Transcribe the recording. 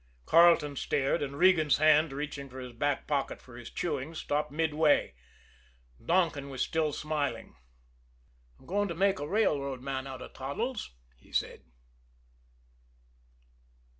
Carleton stared; and Regan's hand, reaching into his back pocket for his chewing, stopped midway. Donkin was still smiling. "I'm going to make a railroad man out of Toddles," he said.